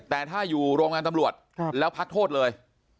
แต่ถ้าอยู่โรงงานตำรวจแล้วพักโทษเลย